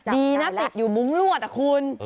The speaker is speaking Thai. ดีนะติดอยู่มุ้งลวดอ่ะคุณ